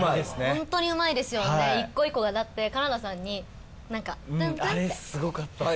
ホントにうまいですよね一個一個がだって金田さんに何かトントンってあれすごかったっすね